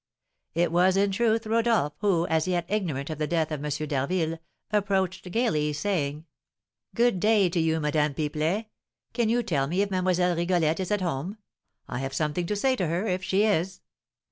It was, in truth, Rodolph, who, as yet ignorant of the death of M. d'Harville, approached gaily, saying: "Good day to you, Madame Pipelet! Can you tell me if Mlle. Rigolette is at home? I have something to say to her, if she is."